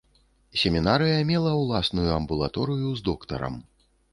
Семінарыя мела ўласную амбулаторыю з доктарам.